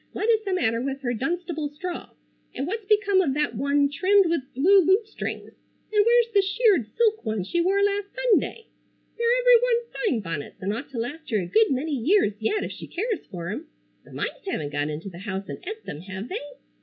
What is the matter with her Dunstable straw, and what's become of that one trimmed with blue lutestrings, and where's the shirred silk one she wore last Sunday? They're every one fine bonnets and ought to last her a good many years yet if she cares fer 'em. The mice haven't got into the house and et them, hev they?"